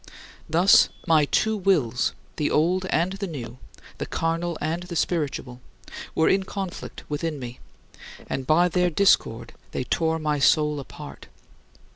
Thus my two wills the old and the new, the carnal and the spiritual were in conflict within me; and by their discord they tore my soul apart.